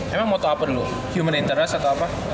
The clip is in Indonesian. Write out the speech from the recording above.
emang moto apa dulu human interest atau apa